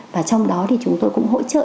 và trong đó thì chúng tôi cũng hỗ trợ